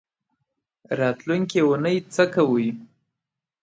راتلونکۍ اونۍ څه کوئ؟